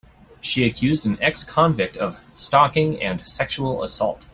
She accused an ex-convict of stalking and sexual assault.